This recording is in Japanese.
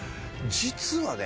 実はね